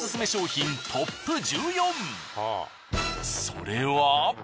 それは。